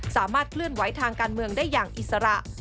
สามารถเคลื่อนไหวทางการเมืองได้อย่างอิสระ